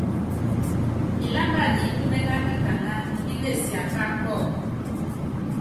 Ilámba nyi itúméne ákitaŋá, imbíne siápá kɔ́ɔku.